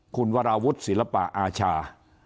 คุณวราวุฒิศิลปะอาชา